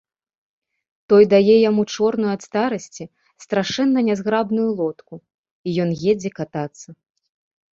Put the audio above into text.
Той дае яму чорную ад старасці, страшэнна нязграбную лодку, і ён едзе катацца.